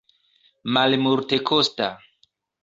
malmultekosta